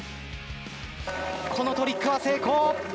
このトリックは成功。